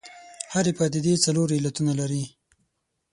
هرې پدیدې څلور علتونه لري.